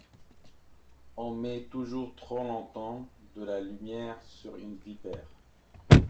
On met toujours trop longtemps de la lumière sur une vipère.